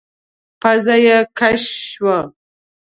پزه يې کش شوه.